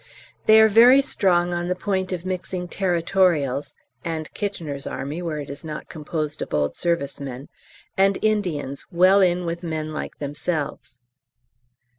They are very strong on the point of mixing Territorials (and K.'s Army where it is not composed of old service men) and Indians well in with men like themselves.